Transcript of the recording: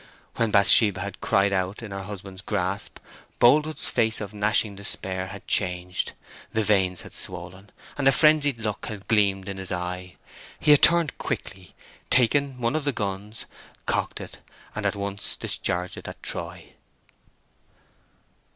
When Bathsheba had cried out in her husband's grasp, Boldwood's face of gnashing despair had changed. The veins had swollen, and a frenzied look had gleamed in his eye. He had turned quickly, taken one of the guns, cocked it, and at once discharged it at Troy.